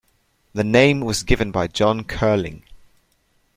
The name was given by John Curling.